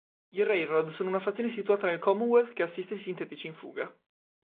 I Railroad sono una fazione situata nel Commonwealth che assiste i sintetici in fuga.